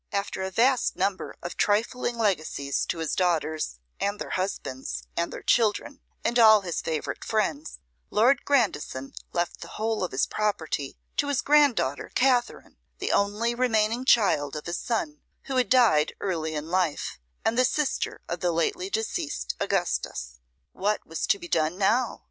After a vast number of trifling legacies to his daughters, and their husbands, and their children, and all his favourite friends, Lord Grandison left the whole of his property to his grand daughter Katherine, the only remaining child of his son, who had died early in life, and the sister of the lately deceased Augustus. What was to be done now?